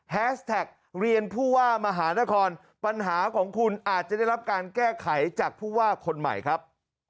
แท็กเรียนผู้ว่ามหานครปัญหาของคุณอาจจะได้รับการแก้ไขจากผู้ว่าคนใหม่ครับ